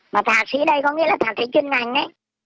mà thạc sĩ đây có nghĩa là thạc sĩ chuyên ngành